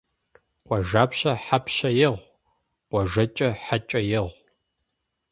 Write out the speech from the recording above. Къуажапщэ хьэпщэ егъу, къуажэкӀэ хьэкӀэ егъу.